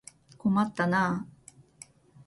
困ったなあ。